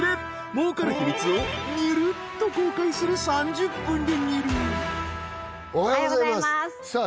儲かるヒミツをにゅるっと公開する３０分でにゅるおはようございますさあ